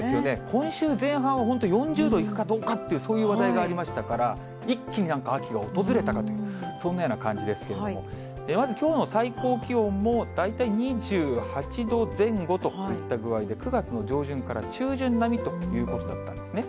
今週前半は、本当、４０度いくかどうかっていう、そういう話題がありましたから、一気になんか秋が訪れたかのような、そんなような感じですけども、まずきょうの最高気温も、大体２８度前後といった具合で、９月の上旬から中旬並みということだったんですね。